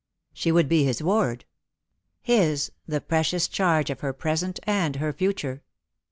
She frould be his ward. His the precious charge of her present and ner future.